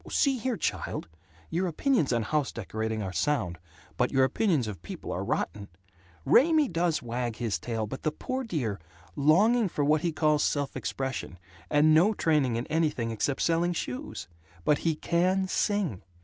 "See here, child! Your opinions on house decorating are sound, but your opinions of people are rotten! Raymie does wag his tail. But the poor dear Longing for what he calls 'self expression' and no training in anything except selling shoes. But he can sing.